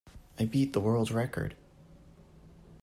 I beat the world record!